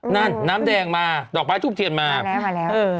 นั่นน้ำแดงมาดอกไม้ทุบเทียนมามาแล้ว